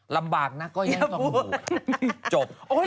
ลำบากนะก็ยังต้องจบ